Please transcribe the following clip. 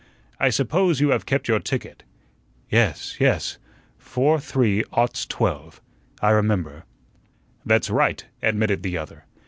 "I suppose you have kept your ticket." "Yes, yes; four three oughts twelve I remember." "That's right," admitted the other.